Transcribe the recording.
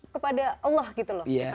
kepada allah gitu loh